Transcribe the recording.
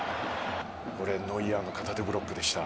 これノイアーの片手ブロックでした。